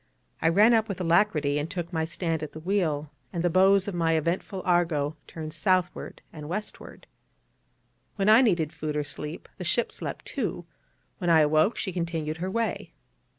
I ran up with alacrity and took my stand at the wheel; and the bows of my eventful Argo turned southward and westward. When I needed food or sleep, the ship slept, too: when I awoke, she continued her way.